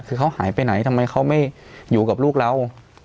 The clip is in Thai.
คือเขาหายไปไหนทำไมเขาไม่อยู่กับลูกเรา